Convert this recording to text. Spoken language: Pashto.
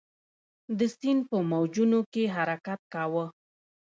د سیند په موجونو کې حرکت کاوه.